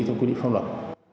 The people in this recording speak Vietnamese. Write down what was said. theo quy định pháp luật